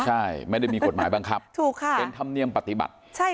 ใช่ไม่ได้มีกฎหมายบังคับเป็นธรรมเนียมปฏิบัติ